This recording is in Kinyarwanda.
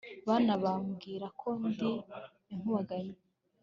bana bambwira ko ndi inkubaganyi